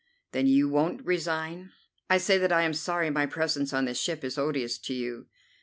"Then you won't resign?" "I say that I am sorry my presence on this ship is odious to you."